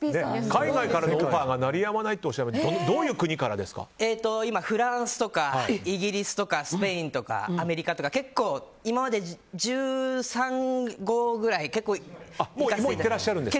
海外からのオファーが鳴りやまないってことですけど今、フランスとかイギリスとかスペインとかアメリカとか結構、今まで１５ぐらい行かせていただきました。